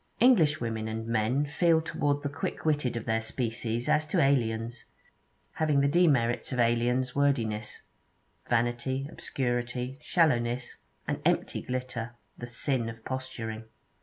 English women and men feel toward the quick witted of their species as to aliens, having the demerits of aliens wordiness, vanity, obscurity, shallowness, an empty glitter, the sin of posturing.